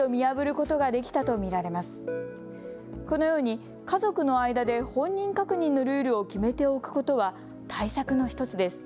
このように家族の間で本人確認のルールを決めておくことは対策の１つです。